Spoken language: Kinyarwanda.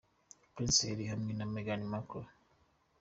Prince Harry hamwe na Meghan Markle.